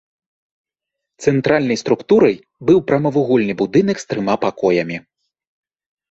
Цэнтральнай структурай быў прамавугольны будынак з трыма пакоямі.